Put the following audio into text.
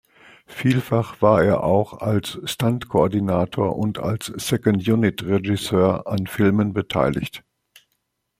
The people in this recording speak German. Vielfach war er auch als Stuntkoordinator und als Second-Unit-Regisseur an Filmen beteiligt.